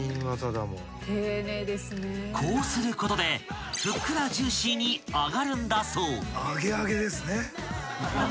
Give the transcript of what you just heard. ［こうすることでふっくらジューシーに揚がるんだそう］